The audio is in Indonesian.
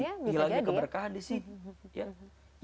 boleh jadi hilangnya keberkahan disini